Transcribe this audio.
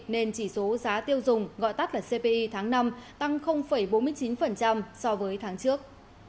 nên chỉ số giá tiêu dùng gọi tắt là cpi tháng năm tăng bốn mươi chín so với tháng trước